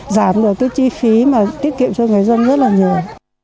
giảm được chi phí tiết kiệm cho người dân rất nhiều